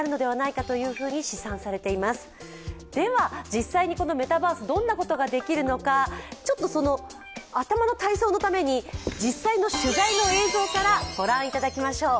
実際にメタバースどんなことができるのか、頭の体操のために、実際の取材の映像から御覧いただきましょう。